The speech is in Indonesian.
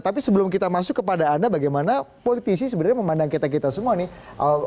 tapi sebelum kita masuk kepada anda bagaimana politisi sebenarnya memandang kita kita semua nih